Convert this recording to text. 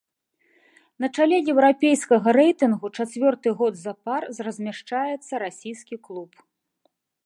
На чале еўрапейскага рэйтынгу чацвёрты год запар размяшчаецца расійскі клуб.